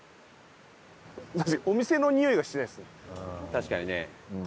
確かにね。